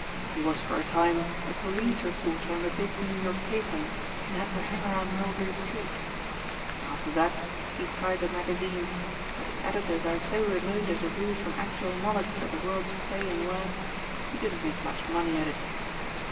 He was for a time a police reporter on a big New York paper and had to hang around Mulberry Street. After that he tried the magazines but as editors are so remote as a rule from actual knowledge of the world's play and work, he didn't make much money at it.